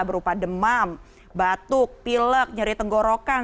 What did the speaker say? berupa demam batuk pilek nyeri tenggorokan